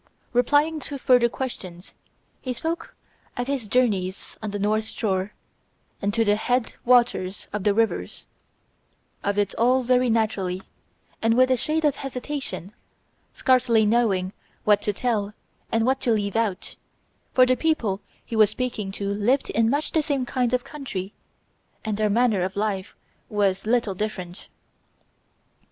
Replying to further questions he spoke of his journeys on the North Shore and to the head waters of the rivers of it all very naturally and with a shade of hesitation, scarcely knowing what to tell and what to leave out, for the people he was speaking to lived in much the same kind of country and their manner of life was little different.